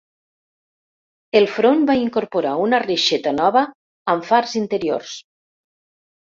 El front va incorporar una reixeta nova amb fars interiors.